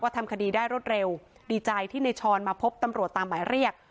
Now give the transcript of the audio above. ทำคดีได้รวดเร็วดีใจที่ในช้อนมาพบตำรวจตามหมายเรียก